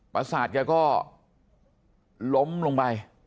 ประสาทแกก็ล้มลงไป